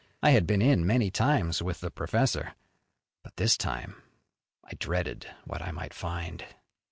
I had been in many times with the professor. But this time I dreaded what I might find.